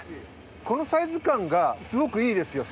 このサイズ感がすごくいいですよ